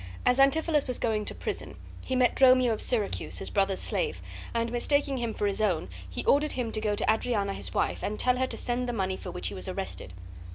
As Antipholus was going to prison, he met Dromio of Syracuse, his brother's slave, and, mistaking him for his own, he ordered him to go to Adriana his wife, and tell her to send the money for which he was arrested.